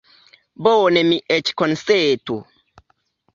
Bone, mi eĉ konsentu.